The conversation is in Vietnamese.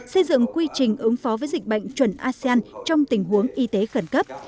xây dựng quy trình ứng phó với dịch bệnh chuẩn asean trong tình huống y tế khẩn cấp